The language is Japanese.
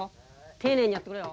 丁寧にやってくれよ。